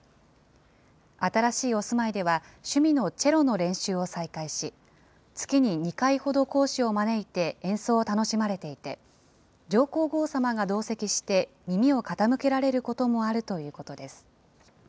新しいお住まいでは、趣味のチェロの練習を再開し、月に２回ほど講師を招いて、演奏を楽しまれていて、上皇后さまが同席して、耳を傾けられることもあるということです。